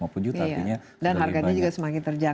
dan harganya juga semakin terjangkau ya